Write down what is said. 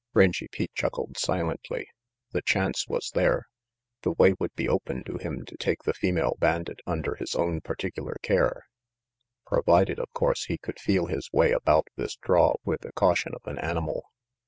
Rangy Pete chuckled silently. The chance was there. The way would be open to him to take the female bandit under his own 108 RANGY PETE particular care, provided, of course, he could feel his way about this draw with the caution of an animal.